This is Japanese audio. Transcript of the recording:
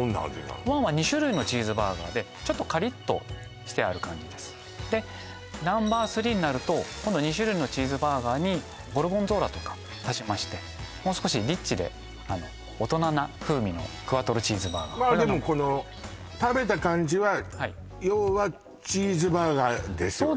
Ｎｏ．１は２種類のチーズバーガーでちょっとカリッとしてある感じですでＮｏ．３になると今度２種類のチーズバーガーにゴルゴンゾーラとか足しましてもう少しリッチで大人な風味のクワトロチーズバーガーまあでもこの食べた感じははい要はチーズバーガーですよね？